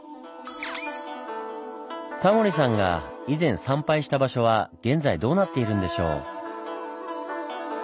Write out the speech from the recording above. タモリさんが以前参拝した場所は現在どうなっているんでしょう。